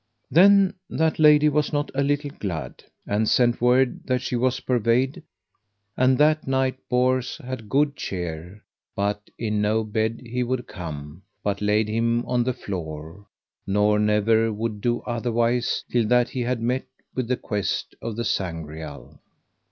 Then that lady was not a little glad, and sent word that she was purveyed, and that night Bors had good cheer; but in no bed he would come, but laid him on the floor, nor never would do otherwise till that he had met with the quest of the Sangreal.